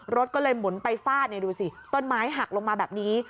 รถก็เลยหมุนไปฟาดดูสิต้นไม้หักลงมาแบบนี้